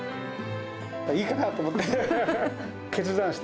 いいかなぁと思って。